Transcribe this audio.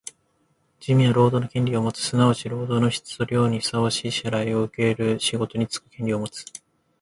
人民は労働の権利をもつ。すなわち労働の質と量にふさわしい支払をうける仕事につく権利をもつ。